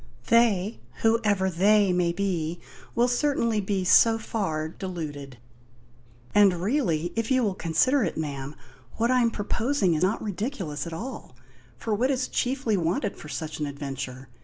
"They whoever they may be will certainly be so far deluded." "And really if you will consider it, ma'am what I am proposing is not ridiculous at all. For what is chiefly wanted for such an adventure?